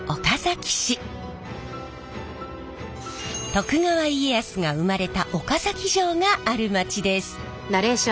徳川家康が生まれた岡崎城がある街です。